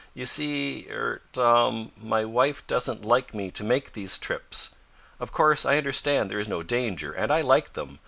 "You see er Tom, my wife doesn't like me to make these trips. Of course, I understand there is no danger, and I like them.